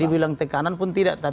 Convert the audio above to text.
dibilang tekanan pun tidak